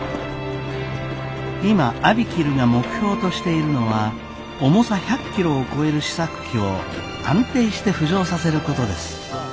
今ＡＢＩＫＩＬＵが目標としているのは重さ１００キロを超える試作機を安定して浮上させることです。